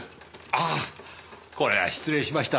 ああこれは失礼しました。